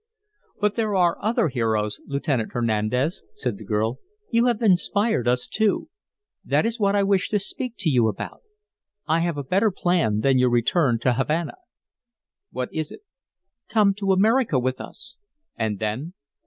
"But there are other heroes, Lieutenant Hernandez," said the girl. "You have inspired us two. That is what I wish to speak to you about. I have a better plan than your return to Havana." "What is it?" "Come to America with us " "And then?"